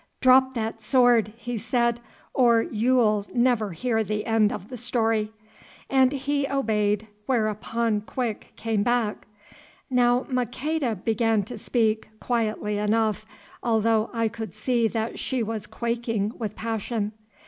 "Drop that sword," he said, "or you'll never hear the end of the story," and he obeyed, whereupon Quick came back. Now Maqueda began to speak, quietly enough, although I could see that she was quaking with passion.